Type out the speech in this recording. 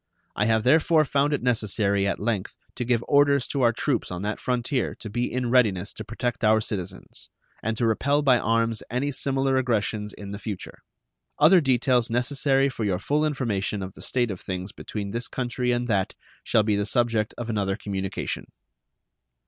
I have therefore found it necessary at length to give orders to our troops on that frontier to be in readiness to protect our citizens, and to repel by arms any similar aggressions in future. Other details necessary for your full information of the state of things between this country and that shall be the subject of another communication.